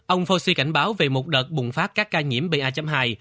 ông fauci cảnh báo về một đợt bùng phát các ca nhiễm pa hai